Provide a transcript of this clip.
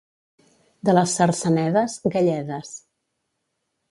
De les Cercenedes, galledes.